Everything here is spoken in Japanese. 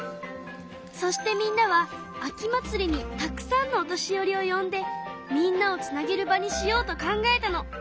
そしてみんなは秋祭りにたくさんのお年寄りをよんでみんなをつなげる場にしようと考えたの。